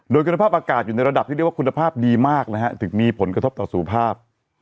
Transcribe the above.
โดยคุณภาพอากาศอยู่ในระดับที่เรียกว่าคุณภาพดีมากนะฮะถึงมีผลกระทบต่อสุขภาพ